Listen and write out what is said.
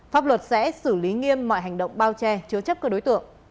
pháp luật sẽ xử lý nghiêm mọi hành động bao che chứa chấp các đối tượng